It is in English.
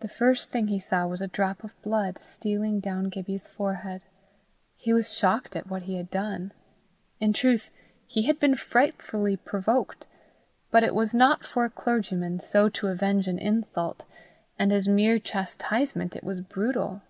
The first thing he saw was a drop of blood stealing down Gibbie's forehead. He was shocked at what he had done. In truth he had been frightfully provoked, but it was not for a clergyman so to avenge an insult, and as mere chastisement it was brutal.